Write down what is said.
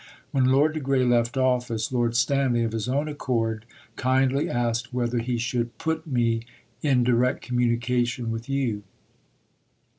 When Lord de Grey left office, Lord Stanley, of his own accord, kindly asked whether he should "put" me "in direct communication" with you.